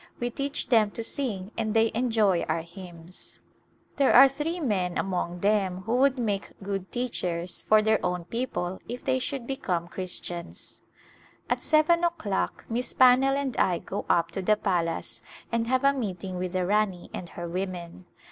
We teach them to sing and they enjoy our hymns. There are A Glimpse of India three men among them who would make good teachers for their own people if they should become Christians. At seven o'clock Miss Pannell and I go up to the palace and have a meeting with the Rani and her women.